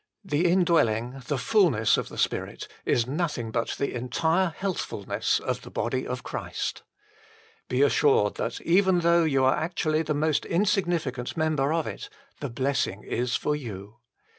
The indwelling, the fulness of the Spirit, is nothing but the entire healthfulness of the body of Christ. Be assured that, even though you are actually the most insignificant member of it, the blessing is for you.